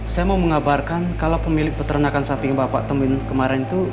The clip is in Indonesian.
saya mau mengabarkan kalau pemilik peternakan samping bapak temuin kemarin itu